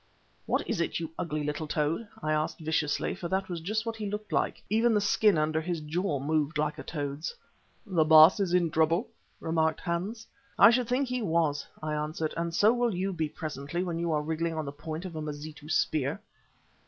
"What is it, you ugly little toad?" I asked viciously, for that was just what he looked like; even the skin under his jaw moved like a toad's. "The Baas is in trouble?" remarked Hans. "I should think he was," I answered, "and so will you be presently when you are wriggling on the point of a Mazitu spear."